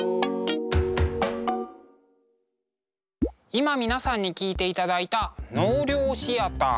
今皆さんに聴いていただいた「納涼シアター」。